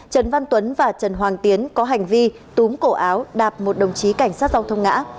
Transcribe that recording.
trần văn tuấn và trần hoàng tiến có hành vi túm cổ áo đạp một đồng chí cảnh sát giao thông ngã